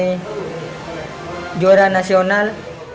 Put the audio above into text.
jadi juara nasional